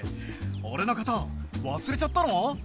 俺のこと忘れちゃったの？